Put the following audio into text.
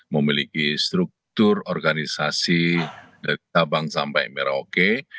memiliki struktur organisasi dari sabang sampai merauke